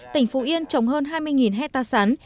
tỉnh phú yên trồng hơn hai mươi hectare sắn